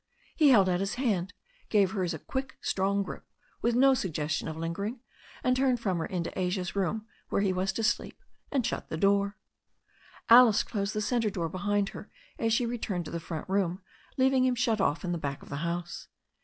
He held out his hand, gave hers a quick, strong grip, with no suggestion of lingering, and turned from her into Asia's room, where he was to sleep, and shut the door. Alice closed the centre door behind her as she returned to the front room, leaving him shut off in the back of the house.